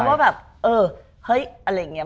ว่าแบบเออเฮ้ยอะไรอย่างนี้